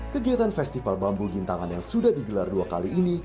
kegiatan festival bambu gintangan yang sudah digelar dua kali ini